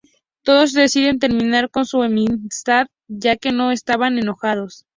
Todos deciden terminar con su enemistad, ya que ya no estaban enojados.